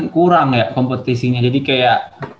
kurang ya kompetisinya jadi kayak